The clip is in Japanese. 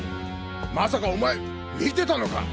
まさかお前見てたのか？